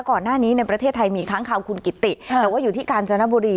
ก่อนหน้านี้ในประเทศไทยมีค้างคาวคุณกิติแต่ว่าอยู่ที่กาญจนบุรี